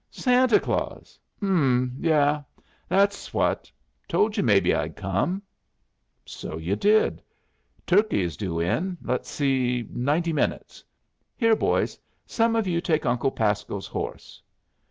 "Santa Claus! H'm. Yes. That's what. Told you maybe I'd come." "So you did. Turkey is due in let's see ninety minutes. Here, boys! some of you take Uncle Pasco's horse."